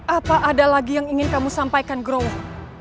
apa ada lagi yang ingin kamu sampaikan growth